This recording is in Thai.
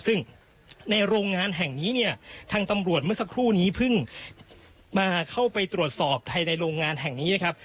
ซึ่งในโรงงานแห่งนี้เนี่ยทางตำรวจเมื่อสักครู่นี้เพิ่งมาเข้าไปตรวจสอบภายในโรงงานแห่งนี้นะครับ